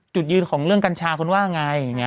จุดยืนของเรื่องกัญชาคุณว่าอย่างไรอย่างเนี่ย